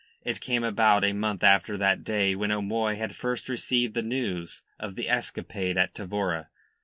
It came about a month after that day when O'Moy had first received news of the escapade at Tavora.